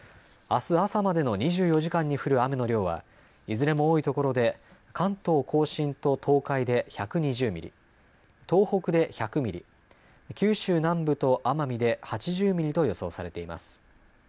あす朝までの２４時間に降る雨の量はいずれも多いところで関東甲信と東海で１２０ミリ、東北で１００ミリ、九州南部と奄美で８０ミリと予想されています。